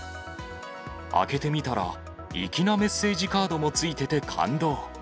開けてみたら、粋なメッセージカードもついてて感動。